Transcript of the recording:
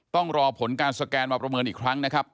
ต้องรอผลการสแกนมาประเมินอีกครั้งนะครับ